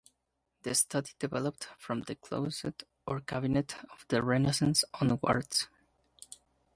The study developed from the closet or cabinet of the Renaissance onwards.